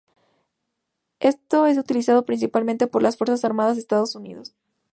Esto es utilizado principalmente por las fuerzas armadas de Estados Unidos.